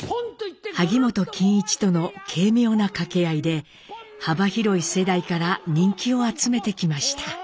萩本欽一との軽妙な掛け合いで幅広い世代から人気を集めてきました。